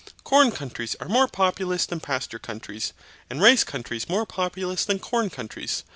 Corn countries are more populous than pasture countries, and rice countries more populous than corn countries.